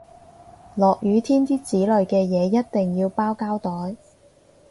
落雨天啲紙類嘅嘢一定要包膠袋